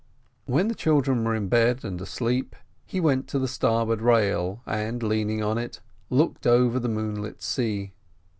When the children were in bed and asleep, he went to the starboard rail, and, leaning on it, looked over the moonlit sea.